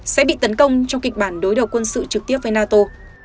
sẽ bị tấn công trong kịch bản đối đầu quân sự trực tiếp với nato